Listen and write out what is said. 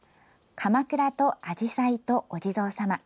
鎌倉とあじさいとお地蔵様。